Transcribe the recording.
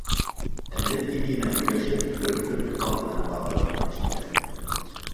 Әле, тиҙ генә һөйләшеп, бер төрлө хаҡ менән һатырға килештеләр.